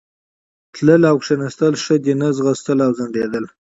تلل او کښېنستل ښه دي، نه ځغستل او ځنډېدل.